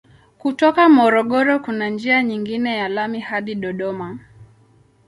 Kutoka Morogoro kuna njia nyingine ya lami hadi Dodoma.